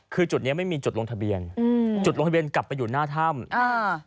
คือจุดเนี้ยไม่มีจุดลงทะเบียนอืมจุดลงทะเบียนกลับไปอยู่หน้าถ้ำอ่า